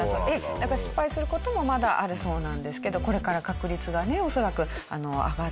だから失敗する事もまだあるそうなんですけどこれから確率がね恐らく上がっていくんでしょうね。